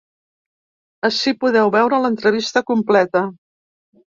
Ací podeu veure l’entrevista completa.